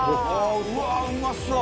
「うわーうまそう！」